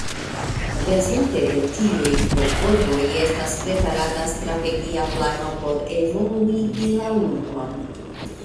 Rezulte de tiuj klopodoj estas preparata strategia plano por evoluigi la urbon.